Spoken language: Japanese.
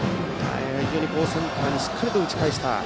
センターにしっかりと打ち返した。